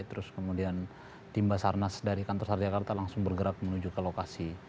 terus kemudian tim basarnas dari kantor sarjakarta langsung bergerak menuju ke lokasi